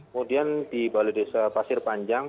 kemudian di balai desa pasir panjang